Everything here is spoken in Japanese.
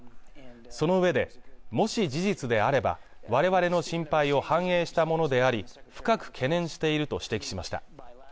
そのうえでもし事実であれば我々の心配を反映したものであり深く懸念していると指摘しました